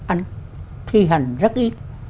anh thi hành rất ít